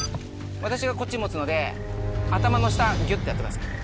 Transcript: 私がこっち持つので頭の下ギュってやってください。